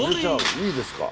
いいですか。